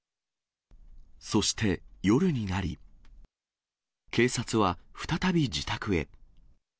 そして夜になり、警察は再び自宅へ。